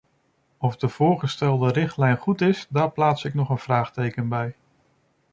Of de voorgestelde richtlijn goed is, daar plaats ik nog een vraagteken bij.